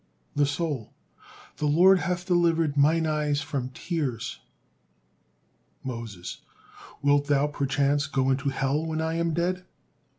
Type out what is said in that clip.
The soul: "The Lord 'hath delivered mine eyes from tears.'" Moses: "Wilt thou, perchance, go into Hell when I am dead?"